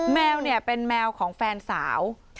แมวเป็นแมวของแฟนสาว